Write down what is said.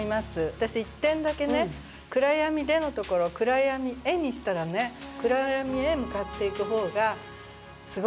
私１点だけね「暗闇で」のところ「暗闇へ」にしたらね暗闇へ向かっていく方がすごいなって。